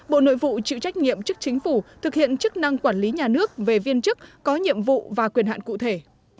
bộ nội vụ chịu trách nhiệm chức chính phủ thực hiện chức năng quản lý nhà nước về viên chức có nhiệm vụ và quyền hạn cụ thể